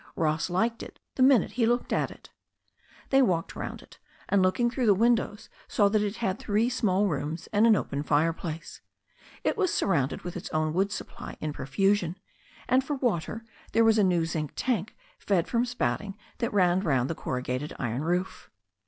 Ross liked it the minute he looked at it. They walked round it, and looking through the windows, saw that it had three small rooms and an open fireplace. It was surrounded with its own wood supply in profusion, and for water there was a new zinc tank fed from spouting that ran round the corrugated iron roof.